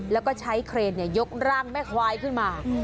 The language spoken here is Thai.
แล้วก็ใช้เครนเนี่ยยกรั่งแม่ขวายขึ้นมา